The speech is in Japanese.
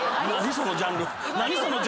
そのジャンル！